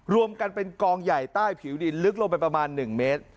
รวมกันเป็นกองใหญ่ใต้ผิวดินลึกลงไปประมาณ๑เมตร